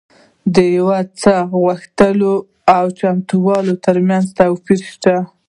د یو څه د غوښتلو او چمتووالي ترمنځ توپیر شته